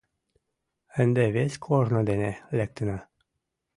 — Ынде вес корно дене лектына.